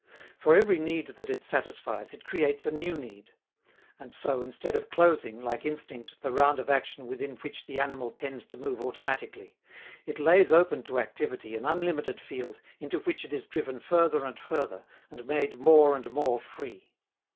For every need that it satisfies, it creates a new need; and so, instead of closing, like instinct, the round of action within which the animal tends to move automatically, it lays open to activity an unlimited field into which it is driven further and further, and made more and more free.